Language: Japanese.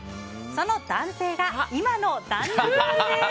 その男性が、今の旦那さんです。